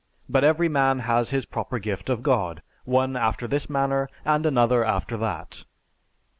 But every man has his proper gift of God, one after this manner, and another after that.